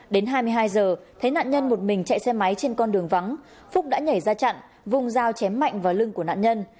đến hai mươi hai giờ thấy nạn nhân một mình chạy xe máy trên con đường vắng phúc đã nhảy ra chặn vùng dao chém mạnh vào lưng của nạn nhân